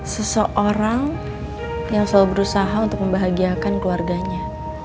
seseorang yang selalu berusaha untuk membahagiakan keluarganya